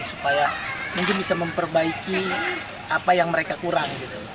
supaya mungkin bisa memperbaiki apa yang mereka kurang